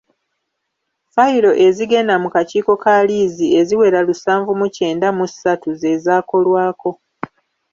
Fayiro ezigenda mu kakiiko ka liizi eziwera lusanvu mu kyenda mu ssatu ze zaakolwako.